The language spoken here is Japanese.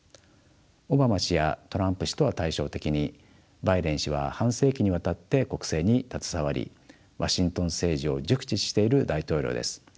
オバマ氏やトランプ氏とは対照的にバイデン氏は半世紀にわたって国政に携わりワシントン政治を熟知している大統領です。